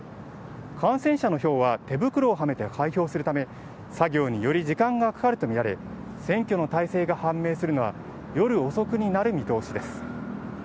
感染者の票は手袋をはめて開票するため作業に、より時間がかかるとみられ選挙の大勢が判明するのは夜遅くになる見通しです。